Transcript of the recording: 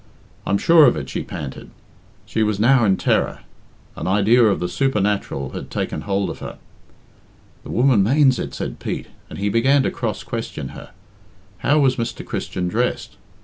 "I'm sure of it," she panted. She was now in terror. An idea of the supernatural had taken hold of her. "The woman manes it," said Pete, and he began to cross question her. How was Mr. Christian dressed?